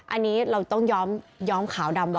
อันนี้เราต้องย้อมขาวดำก่อน